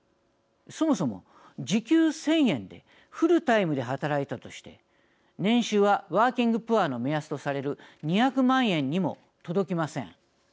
そもそも、時給１０００円でフルタイムで働いたとして年収はワーキングプアの目安とされる２００万円にも届きません。